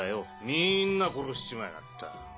みんな殺しちまいやがった。